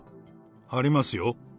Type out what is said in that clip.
ありますよ。